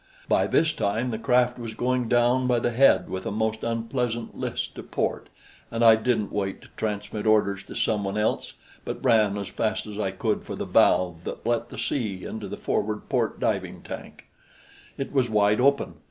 By this time the craft was going down by the head with a most unpleasant list to port, and I didn't wait to transmit orders to some one else but ran as fast as I could for the valve that let the sea into the forward port diving tank. It was wide open.